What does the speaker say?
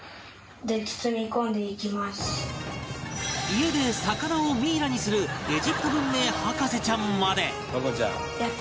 家で魚をミイラにするエジプト文明博士ちゃんまで